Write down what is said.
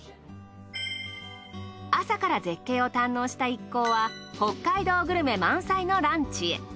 朝から絶景を堪能した一行は北海道グルメ満載のランチへ。